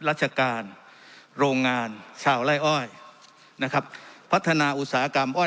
ราชการโรงงานชาวไล่อ้อยนะครับพัฒนาอุตสาหกรรมอ้อย